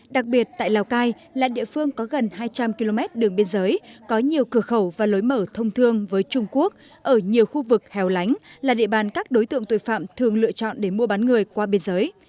đặc biệt tại lào cai là địa phương có gần hai trăm linh km đường biên giới có nhiều cửa khẩu và lối mở thông thương với trung quốc ở nhiều khu vực hẻo lánh là địa bàn các đối tượng tội phạm thường lựa chọn để mua bán người qua biên giới